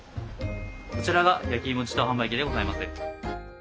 こちらが焼きいも自動販売機でございます。